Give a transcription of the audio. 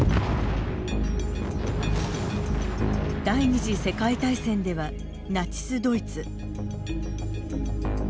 第２次世界大戦ではナチス・ドイツ。